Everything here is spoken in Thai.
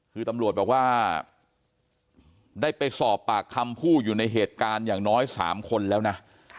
คือตำรวจบอกว่าได้ไปสอบปากคำผู้อยู่ในเหตุการณ์อย่างน้อย๓คนแล้วนะ